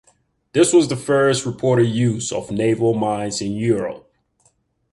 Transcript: This was the first reported use of naval mines in Europe.